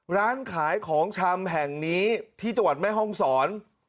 ร้านขายของชำแห่งนี้ที่จังหวัดแม่ห้องศร